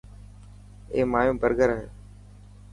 اي مايو برگر هي.